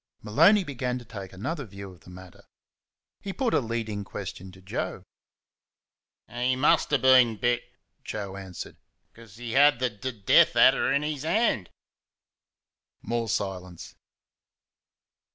Maloney began to take another view of the matter. He put a leading question to Joe. "He MUSTER been bit," Joe answered, "'cuz he had the d death adder in his hand." More silence.